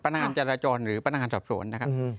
งานจราจรหรือพนักงานสอบสวนนะครับ